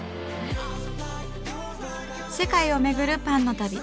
世界をめぐるパンの旅。